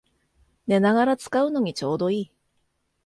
寝ながら使うのにちょうどいい